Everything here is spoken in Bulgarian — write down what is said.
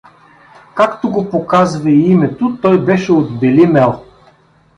Както го показва и името, той беше от Бели Мел.